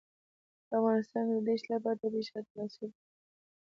په افغانستان کې د دښتې لپاره طبیعي شرایط مناسب دي.